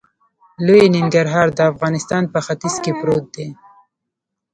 لوی ننګرهار د افغانستان په ختیځ کې پروت دی.